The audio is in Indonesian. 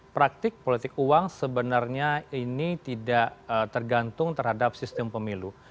praktik politik uang sebenarnya ini tidak tergantung terhadap sistem pemilu